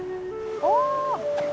お！